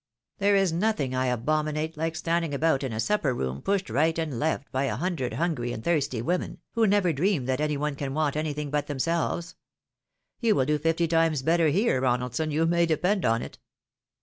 There is nothing I abominate lilce standing about in a supper room, pushed right and left by a hundred hungry and thirsty women, who never dream that any one can want anything but them selves. You will do fifty times better here, Eonaldson, you may depend on it."